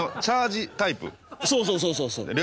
そうそうそうそうそう。